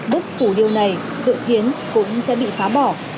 bức phủ điêu này dự kiến cũng sẽ bị phá bỏ